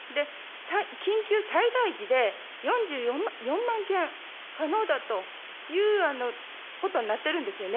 緊急最大時で４４万件可能だということになってるんですよね。